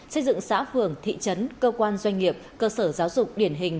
xây dựng xã phường thị trấn cơ quan doanh nghiệp cơ sở giáo dục điển hình